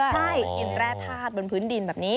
กินแร่ภาพบนพื้นดินแบบนี้